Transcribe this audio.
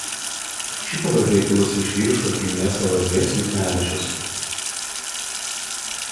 Ši pavardė kilusi iš vyriškos giminės pavardės Juknevičius.